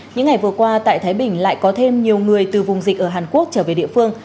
những ngày vừa qua tại thái bình lại có thêm nhiều người từ vùng dịch ở hàn quốc trở về địa phương